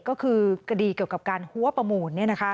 ก็คือคดีเกี่ยวกับการหัวประมูล